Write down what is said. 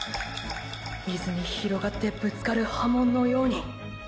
水に広がってぶつかる波紋のように。